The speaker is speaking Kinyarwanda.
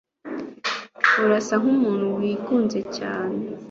Urasa nkumuntu wigunze cyane.